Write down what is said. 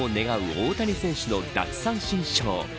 大谷選手の奪三振ショー。